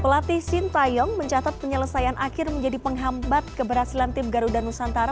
pelatih sintayong mencatat penyelesaian akhir menjadi penghambat keberhasilan tim garuda nusantara